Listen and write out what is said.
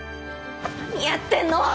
何やってんの！